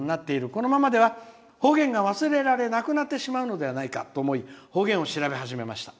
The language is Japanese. このままでは方言が忘れられなくなってしまうのではないかと思い方言を調べ始めました。